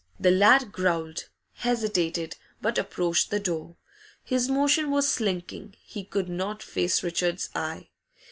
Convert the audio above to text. The lad growled, hesitated, but approached the door. His motion was slinking; he could not face Richard's eye.